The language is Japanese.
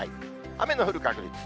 雨の降る確率。